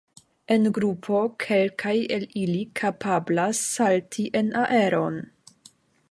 En grupo kelkaj el ili kapablas salti en aeron.